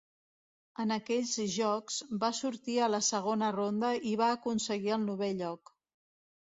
En aquells Jocs, va sortir a la segona ronda i va aconseguir el novè lloc.